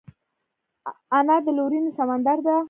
انا د لورینې سمندر ده